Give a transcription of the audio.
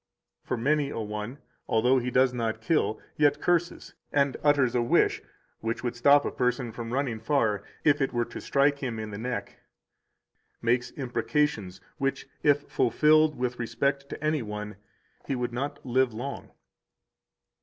For many a one, although he does not kill, yet curses and utters a wish, which would stop a person from running far if it were to strike him in the neck [makes imprecations, which if fulfilled with respect to any one, he would not live long].